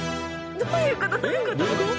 どういう事！？